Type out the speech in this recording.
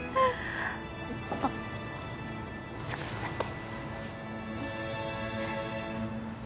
あっちょっと待って。